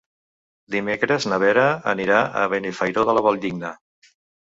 Divendres na Vera anirà a Benifairó de la Valldigna.